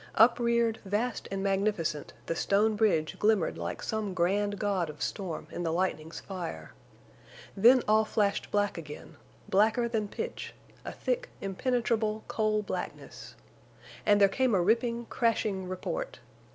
Upreared, vast and magnificent, the stone bridge glimmered like some grand god of storm in the lightning's fire. Then all flashed black again—blacker than pitch—a thick, impenetrable coal blackness. And there came a ripping, crashing report.